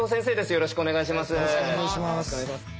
よろしくお願いします。